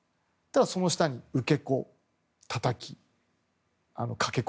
その下に受け子、たたき、かけ子。